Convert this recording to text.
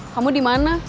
kamu di mana